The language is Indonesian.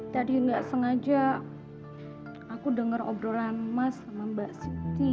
tadi nggak sengaja aku dengar obrolan mas sama mbak siti